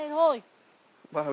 ôi trời trời không về